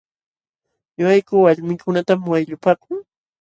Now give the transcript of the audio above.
Ñuqayku walmiikunatam wayllupaaku.